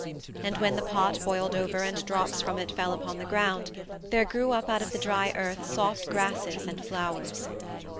And when the pot boiled over and drops from it fell upon the ground, there grew up out of the dry earth soft grasses and flowers.